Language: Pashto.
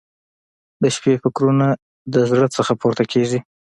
• د شپې فکرونه د زړه نه پورته کېږي.